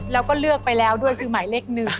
แล้วก็เลือกไปแล้วด้วยคือหมายเลข๑